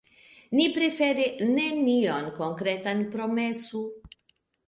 Ni prefere nenion konkretan promesu.